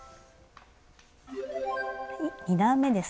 ２段めです。